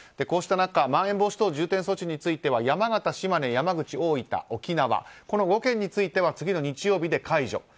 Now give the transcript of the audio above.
こうした中まん延防止等重点措置については山形、島根、山口大分、沖縄、この５県については次の日曜日で解除。